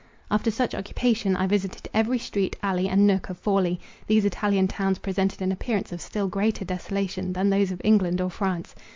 After such occupation, I visited every street, alley, and nook of Forli. These Italian towns presented an appearance of still greater desolation, than those of England or France.